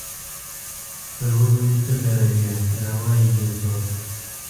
پر و به مې ته دروې ، را وا يي يې څوک؟